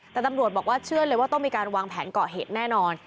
แต่ตำรวจบอกว่าเชื่อเลยว่าต้องมีการวางแผนเกาะเหตุแน่นอน